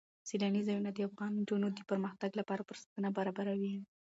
سیلانی ځایونه د افغان نجونو د پرمختګ لپاره فرصتونه برابروي.